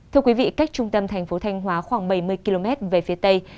thưa quý vị cách trung tâm thành phố thanh hóa khoảng bảy mươi km về phía tây